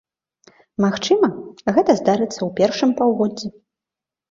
Магчыма, гэта здарыцца ў першым паўгоддзі.